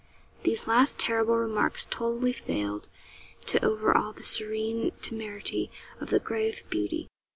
These last terrible remarks totally failed to overawe the serene temerity of the grave beauty.